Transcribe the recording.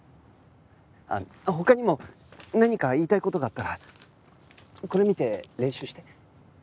あっ他にも何か言いたい事があったらこれ見て練習して。